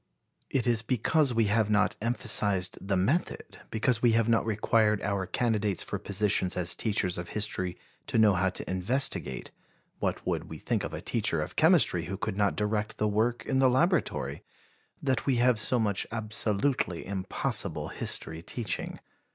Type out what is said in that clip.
It is because we have not emphasized the method, because we have not required our candidates for positions as teachers of history to know how to investigate what would we think of a teacher of chemistry who could not direct the work in the laboratory! that we have so much absolutely impossible history teaching.